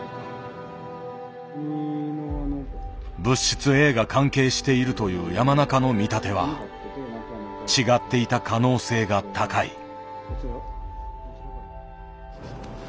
物質Ａが関係しているという山中の見立ては違っていた可能性が高い。